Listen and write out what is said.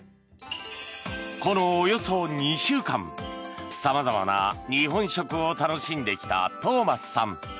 このおよそ２週間様々な日本食を楽しんできたトーマスさん。